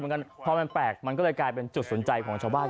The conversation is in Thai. พอกันเต็มแปลกมันกลายเป็นจุดสนใจของปลูกใจนั่น